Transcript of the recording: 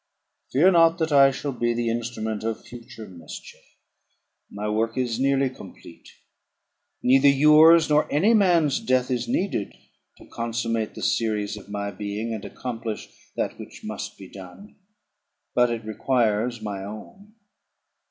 "Fear not that I shall be the instrument of future mischief. My work is nearly complete. Neither yours nor any man's death is needed to consummate the series of my being, and accomplish that which must be done; but it requires my own.